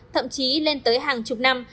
thậm chí lên tới hàng chục năm